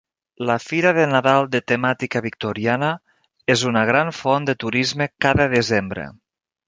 La Fira de Nadal de temàtica Victoriana és una gran font de turisme cada desembre.